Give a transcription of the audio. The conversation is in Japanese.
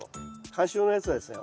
観賞用のやつはですね